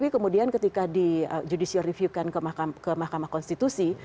kemudian ketika di judisial review kan ke mahkamah konstitusi